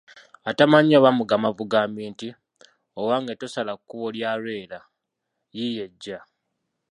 Atamanyiiyo bamugamba bugambi nti: Owange tosala kkubo lya lwera, yiiyo ejja.